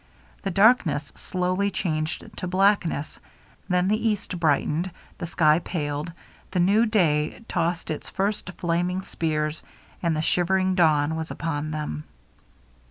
The dark ness slowly changed to blackness; then the WHISKEY JIM 365 east brightened, the sky paled, the new day tossed its first flaming spears, and the shiver ing dawn was upon them.